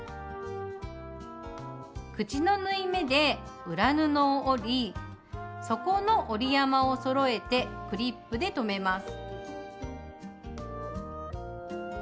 口の縫い目で裏布を折り底の折り山をそろえてクリップで留めます。